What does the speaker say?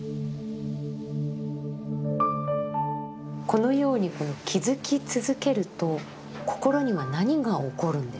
このように気づき続けると心には何が起こるんでしょうか。